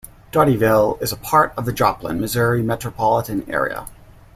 Dotyville is a part of the Joplin, Missouri metropolitan area.